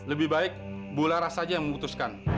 lebih baik bularas saja yang memutuskan